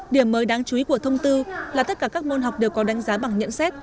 điểm mới đáng chú ý của thông tư là tất cả các môn học đều có đánh giá bằng nhận xét